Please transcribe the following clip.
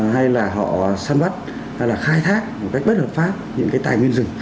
hay là họ săn bắt hay là khai thác một cách bất hợp pháp những cái tài nguyên rừng